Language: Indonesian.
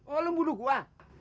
oh lo membunuh gua